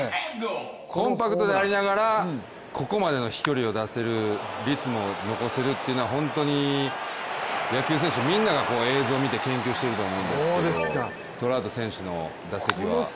コンパクトでありながらここまでの飛距離を出せる率も残せるというのは本当に野球選手みんなが映像を見て研究していると思うんですけどトラウト選手の打席は。